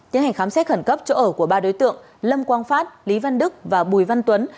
tiến hành khám xét khẩn cấp chỗ ở của ba đối tượng lâm quang phát lý văn đức và bùi văn tuấn